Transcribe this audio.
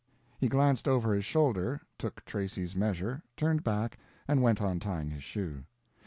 He glanced over his shoulder, took Tracy's measure, turned back, and went on tying his shoe.